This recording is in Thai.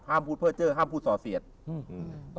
ห้ามพูดเพลิดเจ้อห้ามพูดสอเสียด